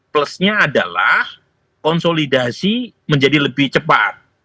plusnya adalah konsolidasi menjadi lebih cepat